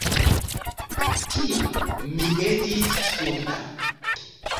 Tiam mi estis stulta.